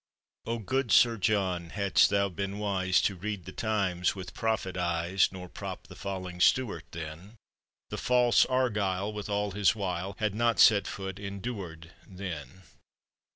O good Sir John, hadst thou been wise To read the times with prophet eves, Nor propped the falling Stuart then, The false Argyle, with all his wile, Had not set foot in Duard then